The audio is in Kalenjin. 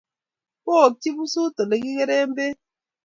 Kookchi pusut ole kipiren peek.